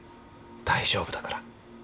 大丈夫だから。